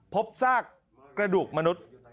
พบซากกระดูกมนุษย์